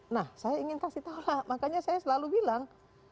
nah saya ingin kasih tahu lah makanya saya selalu bilang